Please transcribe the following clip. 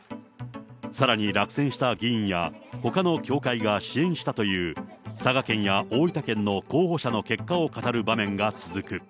さらに落選した議員や、ほかの教会が支援したという佐賀県や大分県の候補者の結果を語る場面が続く。